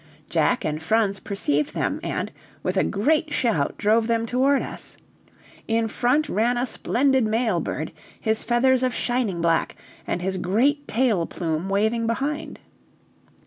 Jack and Franz perceived them, and, with a great shout, drove them toward us. In front ran a splendid male bird, his feathers of shining black, and his great tail plume waving behind.